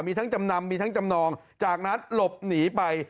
มีทั้งจำนำมีทั้งจำนองจากนั้นหลบหนีไป